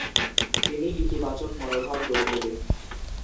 তিনি ইতিবাচক মনোভাব গড়ে তোলেন।